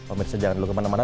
om irsa jalan dulu kemana mana